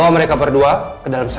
bawa mereka berdua ke dalam satu